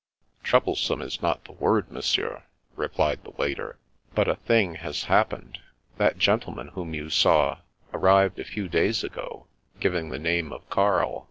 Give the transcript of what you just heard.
" Troublesome is not the word. Monsieur," re plied the waiter. " But a thing has happened. That gentleman whom you saw, arrived a few days ago, giving the name of Karl.